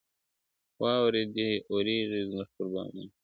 واوري دي اوري زموږ پر بامونو ..